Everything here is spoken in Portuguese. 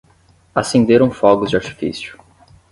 Acenderam fogos de artifício.